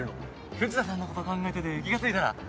藤田さんのこと考えてて気が付いたら。